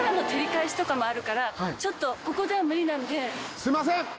すいません！